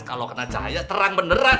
kalau kena cahaya terang beneran